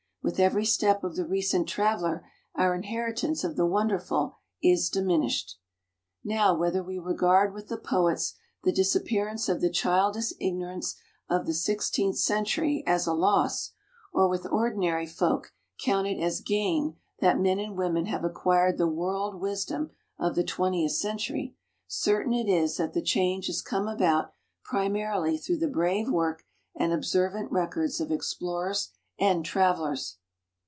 With every step of the recent traveler our inheritance of the wonderful is diminished." Now whether we regard with the poets the disappearance of the childish ignorance of the sixteenth century as a loss, or with ordinary folk count it as gain that men and women have acquired the world wisdom of the twentieth century, certain it is that the change has come about primarily through the brave work and observant records of explorers and travelers.